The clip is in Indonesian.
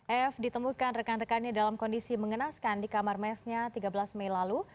ef ditemukan rekan rekannya dalam kondisi mengenaskan di kamar mesnya tiga belas mei lalu